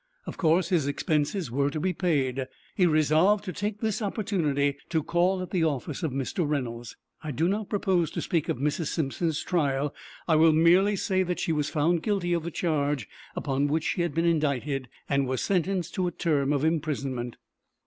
Of course his expenses were to be paid. He resolved to take this opportunity to call at the office of Mr. Reynolds. I do not propose to speak of Mrs. Simpson's trial. I will merely say that she was found guilty of the charge upon which she had been indicted, and was sentenced to a term of imprisonment.